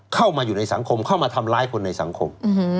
เข้ามาอยู่ในสังคมเข้ามาทำร้ายคนในสังคม